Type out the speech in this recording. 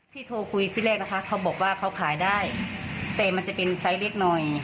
โทรคุยที่แรกนะคะเขาบอกว่าเขาขายได้แต่มันจะเป็นไซส์เล็กหน่อย